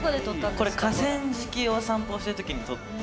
これ河川敷を散歩してる時に撮って。